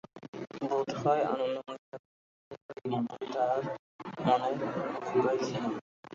বোধ হয় আনন্দময়ীর কাছে ফিরিয়া যাইবে এইমতোই তাহার মনের অভিপ্রায় ছিল।